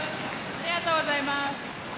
ありがとうございます。